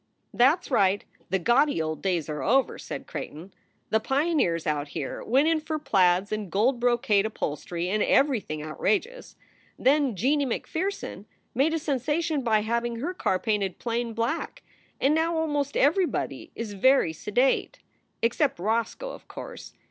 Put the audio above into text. "That s right, the gaudy old days are over," said Creigh ton. "The pioneers out here went in for plaids and gold brocade upholstery and everything outrageous. Then Jeanie MacPherson made a sensation by having her car painted plain black, and now almost everybody is very sedate except Roscoe, of course.